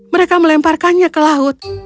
mereka melemparkannya ke laut